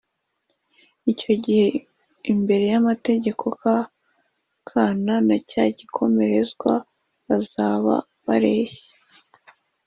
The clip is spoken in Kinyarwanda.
icyo gihe imbere y' amategeko ka kana na cyagikomerezwa bazaba bareshya.''